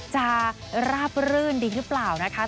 ราบรื่นดีหรือเปล่านะคะ